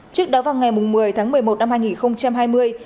trước đó vào ngày một mươi tháng một mươi một năm hai nghìn hai mươi